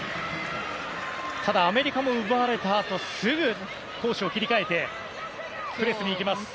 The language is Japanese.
ただ、アメリカも奪われたあとすぐ攻守を切り替えてプレスにいきます。